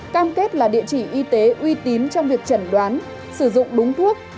cam kết là địa chỉ y tế uy tín trong việc chẩn đoán sử dụng đúng thuốc